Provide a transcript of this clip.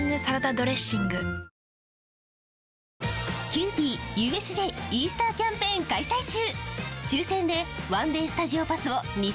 キユーピーＵＳＪイースターキャンペーン開催中！